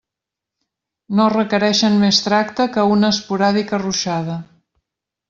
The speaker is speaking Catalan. No requereixen més tracte que una esporàdica ruixada.